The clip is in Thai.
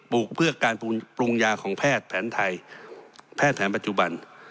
ลูกเพื่อการปรุงยาของแพทย์แผนไทยแพทย์แผนปัจจุบัน